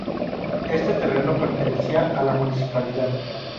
Este terreno pertenecía a la Municipalidad.